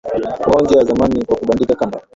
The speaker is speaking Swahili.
wao njia ya zamani kwa kubandika kamba